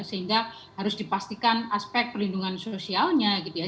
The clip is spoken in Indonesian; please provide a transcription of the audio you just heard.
sehingga harus dipastikan aspek perlindungan sosialnya gitu ya